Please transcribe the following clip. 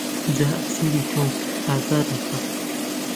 جا ئەسیری تۆم ئازادم کە